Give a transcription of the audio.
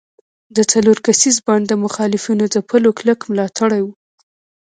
د څلور کسیز بانډ د مخالفینو ځپلو کلک ملاتړي وو.